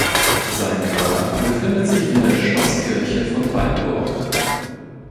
Sein Grab befindet sich in der Schlosskirche von Weilburg.